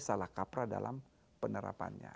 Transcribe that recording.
salah kapra dalam penerapannya